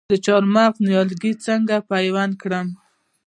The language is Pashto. د چهارمغز نیالګي څنګه پیوند کړم؟